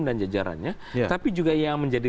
dan jajarannya tapi juga yang menjadi